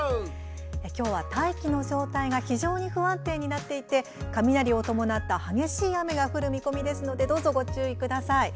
きょうは大気の状態が非常に不安定になっていて雷を伴った激しい雨が降る見込みですのでご注意ください。